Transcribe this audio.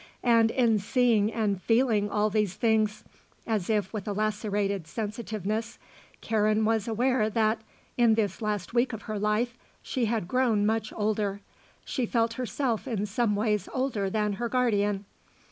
And, in seeing and feeling all these things, as if with a lacerated sensitiveness, Karen was aware that, in this last week of her life, she had grown much older. She felt herself in some ways older than her guardian.